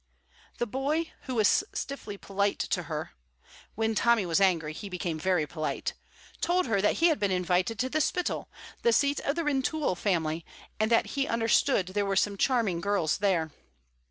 The boy, who was stiffly polite to her (when Tommy was angry he became very polite), told her that he had been invited to the Spittal, the seat of the Rintoul family, and that he understood there were some charming girls there.